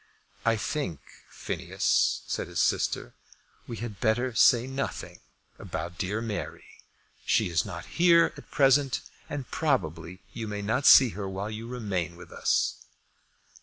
"I think, Phineas," said his sister, "we had better say nothing about dear Mary. She is not here at present, and probably you may not see her while you remain with us."